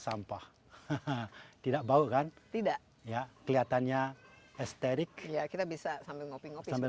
sampah tidak bau kan tidak ya kelihatannya esterik ya kita bisa sampai ngopi ngopi sambil